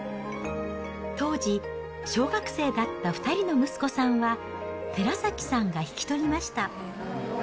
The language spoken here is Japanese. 当時、小学生だった２人の息子さんは寺崎さんが引き取りました。